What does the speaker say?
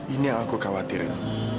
ini yang aku khawatirin